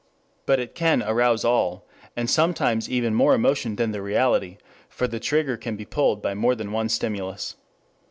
But it can arouse all, and sometimes even more emotion than the reality. For the trigger can be pulled by more than one stimulus.